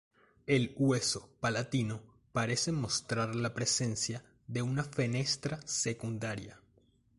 El hueso palatino parece mostrar la presencia de una fenestra secundaria.